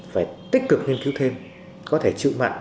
phải tích cực nghiên cứu thêm có thể chịu mặn